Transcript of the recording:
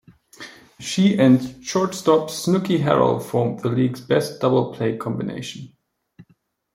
She and short stop Snooky Harrell formed the league's best double-play combination.